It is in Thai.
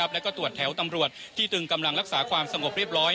แล้วก็ตรวจแถวตำรวจที่ตึงกำลังรักษาความสงบเรียบร้อย